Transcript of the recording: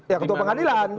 ya ketua pengadilan